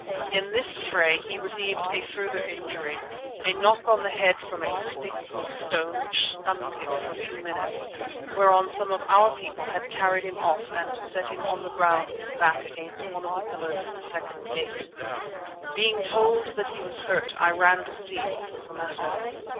In this fray he received a further injury, a knock on the head from a stick or stone which stunned him for a few minutes, whereon some of our people had carried him off and set him on the ground with his back against one of the pillars of the second gate. Being told that he was hurt I ran to see what was the matter.